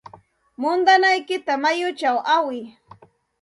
Muudanaykita mayuchaw aywiy.